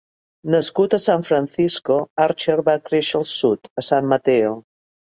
Nascut a San Francisco, Archer va créixer al sud, a San Mateo.